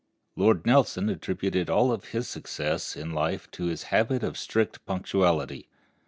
Lord Nelson attributed all his success in life to his habit of strict punctuality.